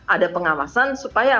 ada pengawasan supaya